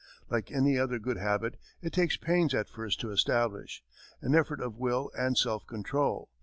Like any other good habit, it takes pains at first to establish, an effort of will and self control.